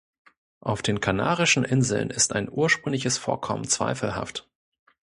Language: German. Auf den Kanarischen Inseln ist ein ursprüngliches Vorkommen zweifelhaft.